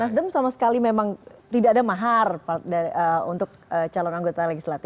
nasdem sama sekali memang tidak ada mahar untuk calon anggota legislatif